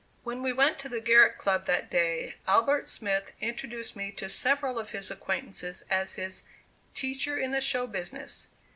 When we went to the Garrick club that day, Albert Smith introduced me to several of his acquaintances as his "teacher in the show business."